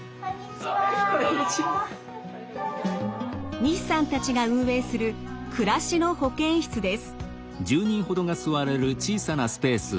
西さんたちが運営する「暮らしの保健室」です。